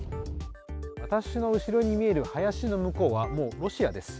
私の後ろに見える林の向こうは、もうロシアです。